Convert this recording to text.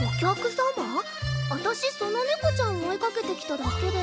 わたしそのネコちゃん追いかけてきただけで。